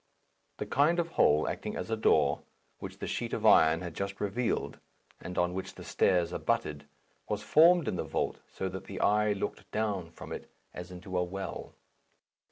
The kind of hole acting as a door, which the sheet of iron had just revealed, and on which the stairs abutted, was formed in the vault, so that the eye looked down from it as into a well.